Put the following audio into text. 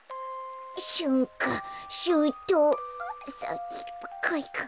しゅんかしゅうとうあさひるかいか。